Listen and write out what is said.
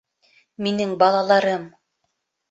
Минең балаларым